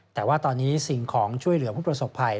แต่ว่าตอนนี้สิ่งของช่วยเหลือผู้ประสบภัย